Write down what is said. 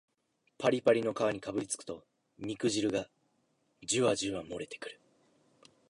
パリパリの皮にかぶりつくと肉汁がジュワジュワもれてくる